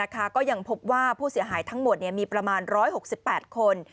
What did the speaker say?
ก็ยังพบว่าผู้เสียหายทั้งหมดมีประมาณ๑๖๘คน